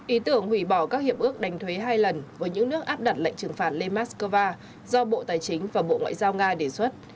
ý tưởng hủy bỏ các hiệp ước đánh thuế hai lần với những nước áp đặt lệnh trừng phạt lên moscow do bộ tài chính và bộ ngoại giao nga đề xuất